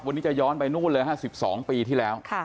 วันนี้จะย้อนไปนู่นเลยห้าสิบสองปีที่แล้วค่ะ